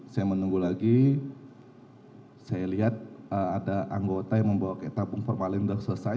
saya menunggu lagi saya lihat ada anggota yang membawa tabung formalin sudah selesai